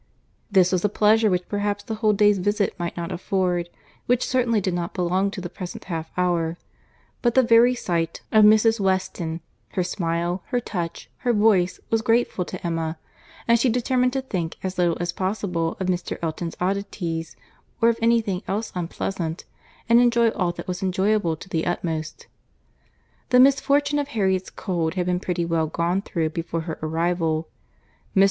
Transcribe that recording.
This was a pleasure which perhaps the whole day's visit might not afford, which certainly did not belong to the present half hour; but the very sight of Mrs. Weston, her smile, her touch, her voice was grateful to Emma, and she determined to think as little as possible of Mr. Elton's oddities, or of any thing else unpleasant, and enjoy all that was enjoyable to the utmost. The misfortune of Harriet's cold had been pretty well gone through before her arrival. Mr.